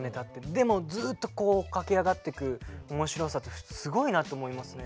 でもずっと駆け上がってく面白さってすごいなと思いますね。